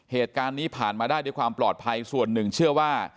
เหตุการณ์นี้ผ่านมาได้ด้วยความปลอดภัยส่วนหนึ่งเชื่อว่า